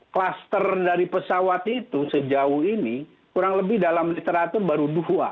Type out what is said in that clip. kluster dari pesawat itu sejauh ini kurang lebih dalam literatur baru dua